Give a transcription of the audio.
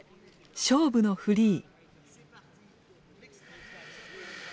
勝負のフリー。